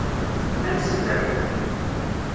Ad nesder.